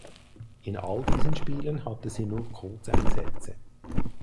In all diesen Spielen hatte sie nur Kurzeinsätze.